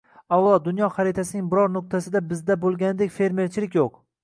Avvalo, dunyo xaritasining biror nuqtasida bizda bo‘lganidek fermerchilik yo‘q